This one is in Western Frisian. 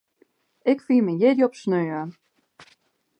Ik fier myn jierdei op saterdei.